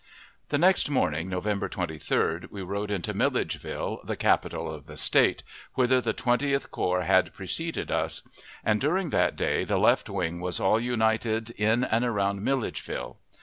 The next morning, November 23d, we rode into Milledgeville, the capital of the State, whither the Twentieth Corps had preceded us; and during that day the left wing was all united, in and around Milledgeville.